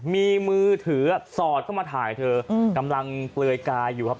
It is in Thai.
มีมือถือสอดเข้ามาถ่ายเธอกำลังเปลือยกายอยู่ครับ